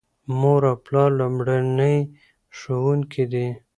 مور او پلار لومړني ښوونکي دي.